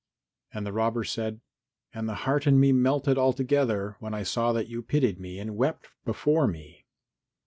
And the robber said, "And the heart in me melted altogether when I saw that you pitied me and wept before me."